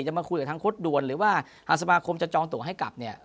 มาคุยกับทางโค้ดด่วนหรือว่าทางสมาคมจะจองตัวให้กลับเนี่ย